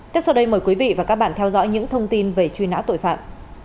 tiếp sau đây mời quý vị và các bạn theo dõi những thông tin về truy nã tội phạm